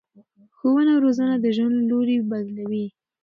ښوونه او روزنه د ژوند لوری بدلوي.